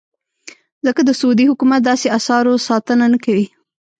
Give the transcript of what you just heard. ځکه د سعودي حکومت داسې اثارو ساتنه نه کوي.